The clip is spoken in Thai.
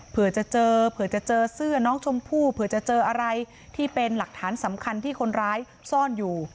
เผื่อจะเจอเผื่อจะเจอเสื้อน้องชมพู่เผื่อจะเจออะไรที่เป็นหลักฐานสำคัญที่คนร้ายซ่อนอยู่